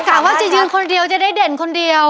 กะว่าจะยืนคนเดียวจะได้เด่นคนเดียว